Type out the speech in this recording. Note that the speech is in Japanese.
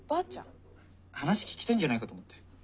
話聞きたいんじゃないかと思って。